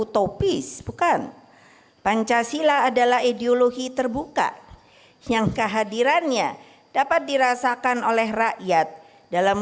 topis bukan pancasila adalah ideologi terbuka yang kehadirannya dapat dirasakan oleh rakyat dalam